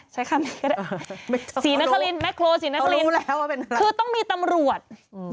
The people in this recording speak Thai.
สีแนครีนแมคโลสีแนครีนคือต้องมีตำรวจอ่อรู้แล้วว่าเป็นอะไร